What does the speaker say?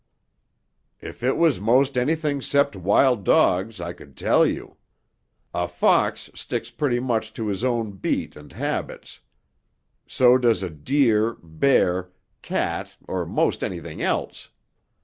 "If it was most anything 'cept wild dogs I could tell you. A fox sticks pretty much to his own beat and habits. So does a deer, bear, cat or 'most anything else.